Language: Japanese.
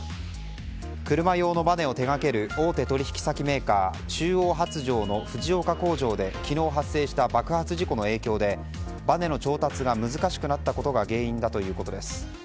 車用のバネを手掛ける大手取引メーカー中央発條の藤岡工場で昨日発生した爆発事故の影響でバネの調達が難しくなったことが原因だということです。